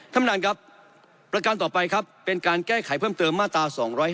ท่านประธานครับประการต่อไปครับเป็นการแก้ไขเพิ่มเติมมาตรา๒๕๖